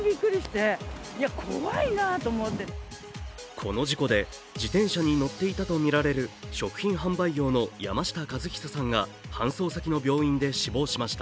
この事故で自転車に乗っていたとみられる食品販売業の山下和久さんが搬送先の病院で死亡しました。